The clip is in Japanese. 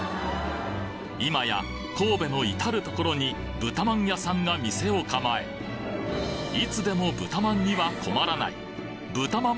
今や神戸の至る所に豚まん屋さんが店を構えいつでも豚まんには困らない豚まん